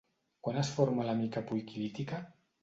Quan es forma la mica poiquilítica?